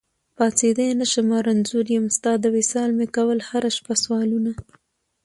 پاڅېدی نشمه رنځور يم، ستا د وصال مي کول هره شپه سوالونه